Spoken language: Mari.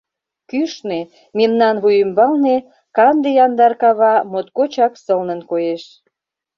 Кӱшнӧ, мемнан вуй ӱмбалне, канде яндар кава моткочак сылнын коеш.